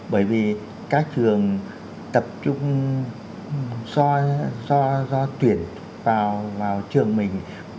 bởi vì các trường tập trung soi do tuyển vào trường mình